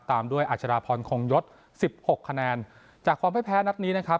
ตามด้วยอาชดาพรคงยศสิบหกคะแนนจากความไม่แพ้นัดนี้นะครับ